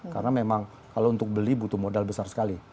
karena memang kalau untuk beli butuh modal besar sekali